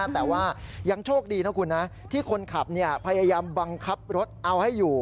แต่ว่ายังโชคดีนะคุณนะที่คนขับพยายามบังคับรถเอาให้อยู่